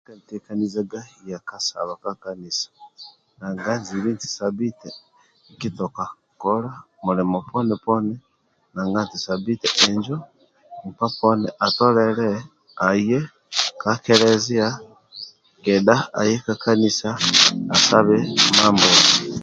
nkyetekanizaga ya saba kakanisa nanga nizibi nti sabite kiki toka mulimo poni poni nanga nti sabite njo nkpa poni asemelelu aye ka keleziya kedha aye kaka kanisa asabe Amanbombi